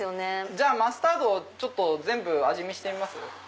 じゃあマスタードを全部味見してみます？